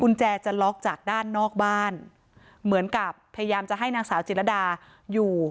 คุณแจจะล็อกจากด้านนอกบ้านเหมือนกับพยายามจะให้นางสาวจิรดาอยู่